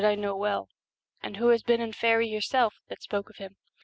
I know well, and who has been in faery herself, that spoke of him.